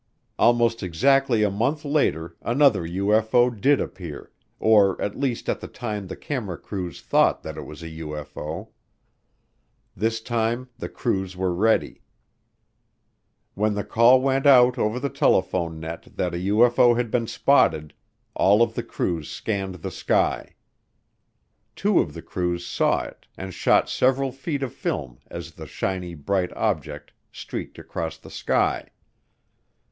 Almost exactly a month later another UFO did appear, or at least at the time the camera crews thought that it was a UFO. This time the crews were ready when the call went out over the telephone net that a UFO had been spotted, all of the crews scanned the sky. Two of the crews saw it and shot several feet of film as the shiny, bright object streaked across the sky.